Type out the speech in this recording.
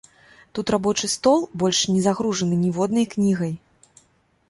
Тут рабочы стол больш не загружаны ніводнай кнігай.